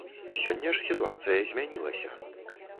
Сёння ж сітуацыя змянілася.